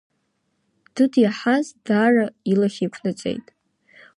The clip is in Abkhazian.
Дыд иаҳаз даара илахь еиқәнаҵеит.